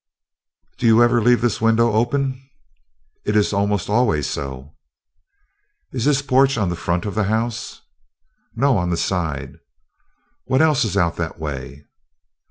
"Do you ever leave this window open?" "It is almost always so." "Is this porch on the front of the house?" "No, on the side." "What else is out that way?"